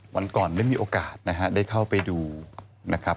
วันก่อนไม่มีโอกาสนะฮะได้เข้าไปดูนะครับ